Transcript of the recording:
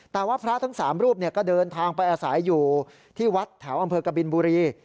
แต่ว่าพระทั้ง๓รูปก็เดินทางไปอาศัยอยู่ที่วัดแถวอำเภอกบินบุรี